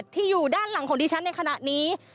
ที่อยู่ด้านหลังของดิฉันในขณะนี้